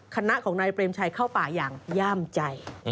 คณะของนายเปรมชัยเข้าป่าอย่างย่ามใจ